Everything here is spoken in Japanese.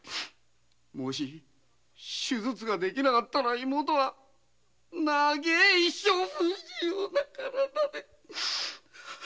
もし手術が出来なかったら妹は長い一生不自由な体で。